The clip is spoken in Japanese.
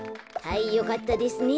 はいよかったですね。